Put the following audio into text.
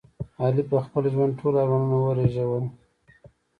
علي په خپل ژوند ټول ارمانونه ورېژول.